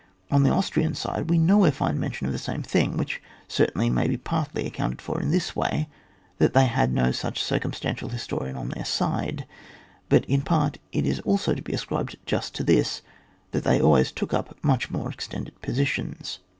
On the Austrian side we nowhere find mention of the same thing, which cer tainly may be partly accounted for in this way, that they had no such circum stantial historian on their side, but in part it is also to be ascribed just to this, that they always took up much more extended positions.